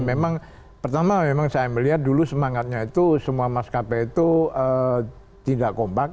memang pertama memang saya melihat dulu semangatnya itu semua maskapai itu tidak kompak